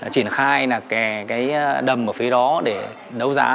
triển khai cái đầm ở phía đó để nấu giá